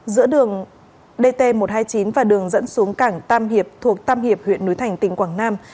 giữa đường dt một trăm hai mươi chín và đường dẫn xuống cảng tam hiệp thuộc tam hiệp huyện núi thành tỉnh quảng nam